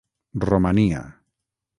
Romania.